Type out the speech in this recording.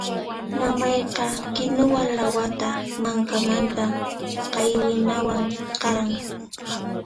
Mamayqa kinuwa lawata mankamanta qaywinawan qaran.